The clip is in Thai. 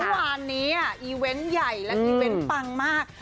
เมื่อวานนี้อีเวนต์ใหญ่และอีเวนต์ปังมาก